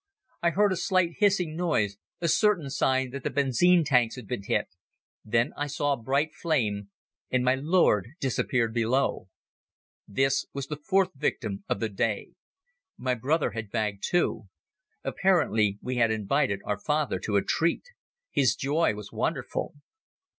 I heard a slight hissing noise, a certain sign that the benzine tanks had been hit. Then I saw a bright flame and my lord disappeared below. This was the fourth victim of the day. My brother had bagged two. Apparently, we had invited our father to a treat. His joy was wonderful.